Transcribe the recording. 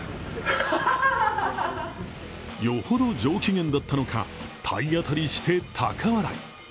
よほど上機嫌だったのか、体当たりして高笑い。